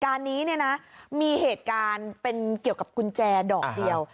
การนี้เนี่ยนะมีเหตุการณ์เป็นเกี่ยวกับกุญแจดอกเดียว